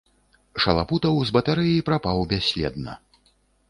Шалапутаў з батарэі прапаў бясследна.